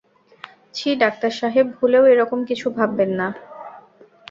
ছি ডাক্তার সাহেব, ভুলেও এ-রকম কিছু ভাববেন না।